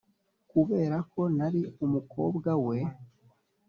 kuberako nari umukobwa we.